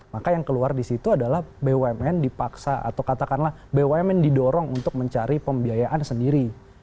maka yang keluar di situ adalah bumn dipaksa atau katakanlah bumn didorong untuk mencari pembiayaan sendiri